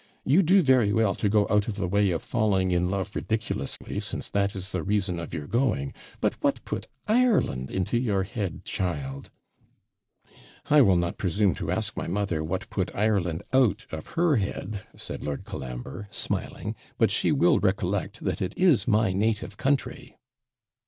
You do very well to go out of the way of falling in love ridiculously, since that is the reason of your going; but what put Ireland into your head, child?' 'I will not presume to ask my mother what put Ireland out of her head,' said Lord Colambre, smiling; 'but she will recollect that it is my native country.'